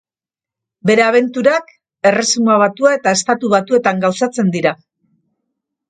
Bere abenturak Erresuma Batua eta Estatu Batuetan gauzatzen dira.